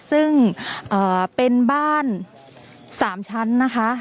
ซึ่งเป็นบ้าน๓ชั้นนะคะ